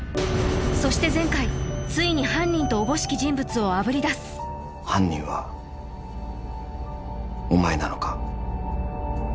そして前回ついに犯人とおぼしき人物をあぶり出す犯人はお前なのか？